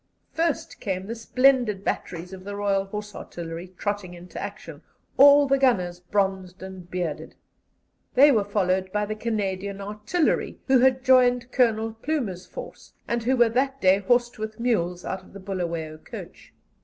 First came the splendid batteries of the Royal Horse Artillery trotting into action, all the gunners bronzed and bearded. They were followed by the Canadian Artillery, who had joined Colonel Plumer's force, and who were that day horsed with mules out of the Bulawayo coach.